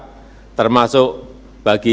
dan juga memberikan manfaat yang konkret kepada masyarakat